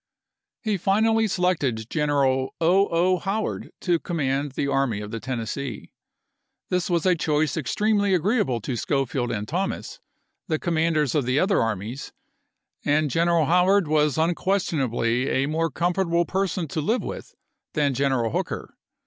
He finally selected General O. 0. Howard to Juiy24,i864 command the Army of the Tennessee. This was a choice extremely agreeable to Schofield and Thomas, the commanders of the other armies, and General Howard was unquestionably a more comfortable person to live with than General Hooker.